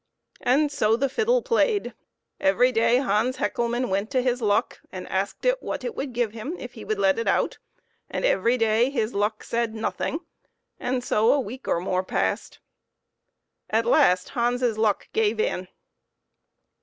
And so the fiddle played ; every day Hans Hecklemann went to his luck and asked it what it would give him if he would let it out, and every day his luck said nothing ; and so a week or more passed. At last Hans's luck gave in.